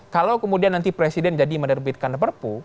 kalau kemudian nanti presiden jadi menerbitkan perpu